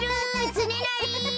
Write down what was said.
つねなり！